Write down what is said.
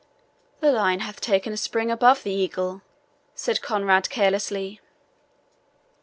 "The lion hath taken a spring above the eagle," said Conrade carelessly.